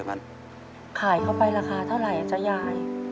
ขายเข้าไปราคาเท่าไหร่จ๊ะยาย